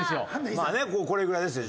まあねこれぐらいですよ